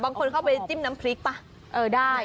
เข้าไปจิ้มน้ำพริกป่ะได้